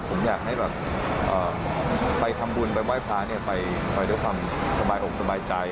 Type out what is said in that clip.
ผมอยากให้แบบไปทำบุญไปไหว้พระเนี่ยไปด้วยความสบายอกสบายใจ